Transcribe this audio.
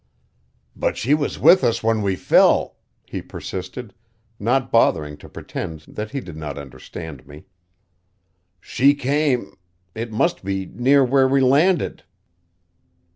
"But she was with us when we fell," he persisted, not bothering to pretend that he did not understand me. "She came it must be near where we landed."